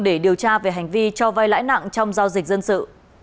để điều tra về hành vi cho vai lãi nặng trong giao dịch dân sự